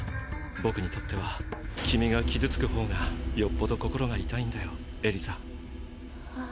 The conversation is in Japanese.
僕にとっては君が傷つくほうがよっぽど心が痛いんだよエリザ。